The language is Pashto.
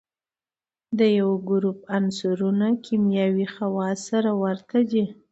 د یوه ګروپ عنصرونه کیمیاوي خواص سره ورته دي.